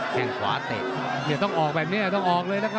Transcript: แค่งขวาเตะต้องออกแบบนี้ต้องออกเลยนะครับ